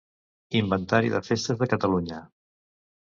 Inventari de festes de Catalunya.